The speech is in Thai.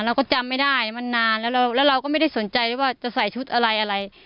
เราก็จำไม่ได้มันนานแล้วแล้วเราก็ไม่ได้สนใจว่าจะใส่ชุดอะไรอะไร